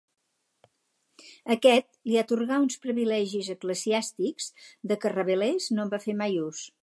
Aquest li atorgà uns privilegis eclesiàstics de què Rabelais no en va fer mai ús.